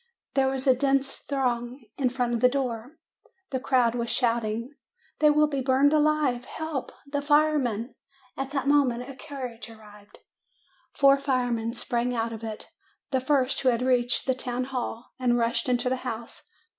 There was a dense throng in front of the door. The crowd was shouting : 'They will be burned alive ! Help ! The firemen !' At that moment a carriage arrived, four firemen sprang out of it the first who had reached the town hall and rushed into the house.